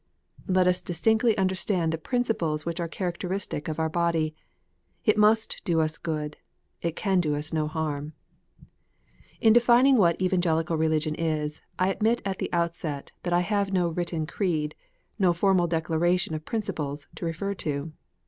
Let us distinctly understand the principles which are characteristic of our body. It must do us good ; it can do us no harm. In defining what Evangelical Religion is, I admit at the outset that I have no written creed, no formal declaration of principles, to refer to.